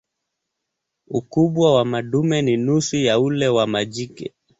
Ukubwa wa madume ni nusu ya ule wa majike.